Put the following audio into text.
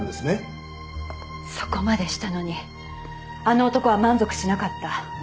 そこまでしたのにあの男は満足しなかった。